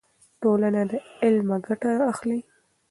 ټولنه له علمه ګټه اخلي.